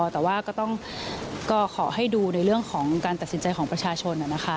แต่ว่าก็ต้องขอให้ดูในเรื่องของการตัดสินใจของประชาชน